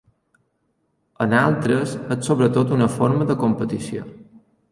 En altres, és sobretot una forma de competició.